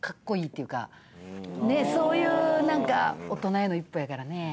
そういうなんか大人への一歩やからね。